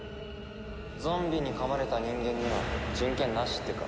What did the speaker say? ゾンビに噛まれた人間には人権なしってか。